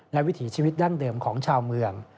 และวิถีชีวิตดั้งเดิมของชาวเมือง